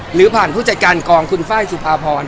หรือผ่านผู้จัดการกองคุณไฟล์สุภาพร